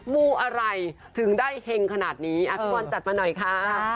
มูอะไรถึงได้เฮงขนาดนี้พี่บอลจัดมาหน่อยค่ะ